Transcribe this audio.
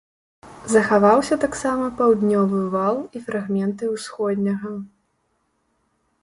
Захаваўся таксама паўднёвы вал і фрагменты ўсходняга.